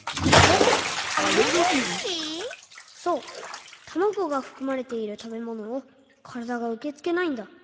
そうたまごがふくまれているたべものをからだがうけつけないんだ。